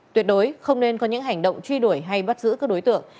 tuyệt đối không nên có những hành động truy đuổi hay bắt giữ các đối tượng